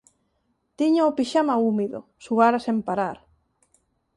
Tiña o pixama húmido, suara sen parar.